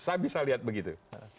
saya bisa lihat begitu